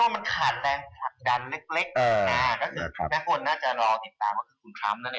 ก็คือแม่คนน่าจะรอติดตามว่าคือคุณทรัพย์นั่นเอง